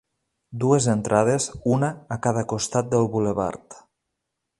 Dues entrades, una a cada costat del bulevard.